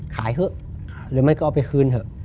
เถอะหรือไม่ก็เอาไปคืนเถอะ